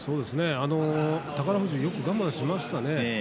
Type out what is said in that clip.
宝富士よく我慢しましたね。